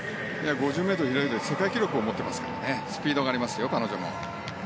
５０ｍ平泳ぎで世界記録を持っていますからスピードがありますよ、彼女も。